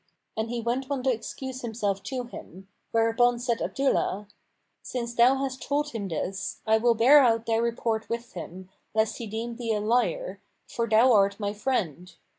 And he went on to excuse himself to him; whereupon said Abdullah, "Since thou hast told him this, I will bear out thy report with him, lest he deem thee a liar, for thou art my friend.